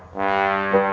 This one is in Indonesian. nih bolok ke dalam